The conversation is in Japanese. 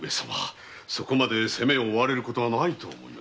そこまで責めを負われることはないと思いますが。